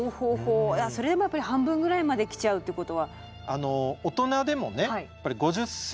それでもやっぱり半分ぐらいまで来ちゃうってことは。